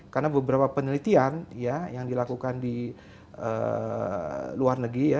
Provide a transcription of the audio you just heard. karena beberapa penelitian yang dilakukan di luar negeri